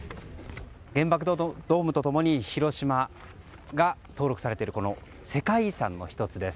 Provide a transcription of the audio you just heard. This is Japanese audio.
原爆ドームと共に広島が登録されている世界遺産の１つです。